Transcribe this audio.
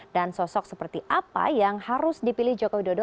dan sosok seperti apa yang harus dipilih joko widodo